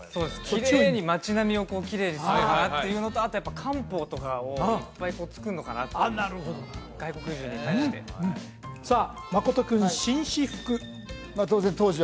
きれいに町並みをきれいにするのかなっていうのとあとやっぱ漢方とかをいっぱい作んのかなとあっなるほど外国人に対してさあ真君「紳士服」